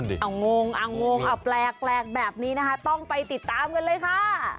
เอางงเอางงเอาแปลกแบบนี้นะคะต้องไปติดตามกันเลยค่ะ